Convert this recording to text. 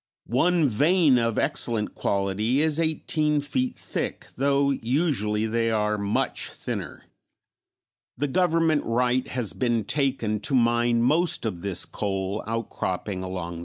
One vein of excellent quality is eighteen feet thick, although usually they are much thinner. The government right has been taken to mine most of this coal outcropping along the river.